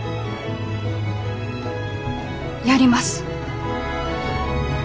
やります！